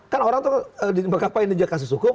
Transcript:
kan orang tuh berkakpanin dikasus hukum